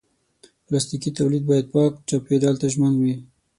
پلاستيکي تولید باید پاک چاپېریال ته ژمن وي.